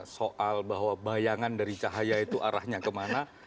soal bahwa bayangan dari cahaya itu arahnya kemana